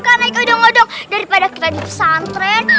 kan naik udung udung daripada kita di pesantren